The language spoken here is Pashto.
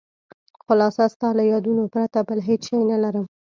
خلاصه ستا له یادونو پرته بل هېڅ شی نه لرم.